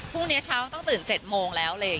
พรุ่งนี้เช้าต้องตื่น๗โมงแล้ว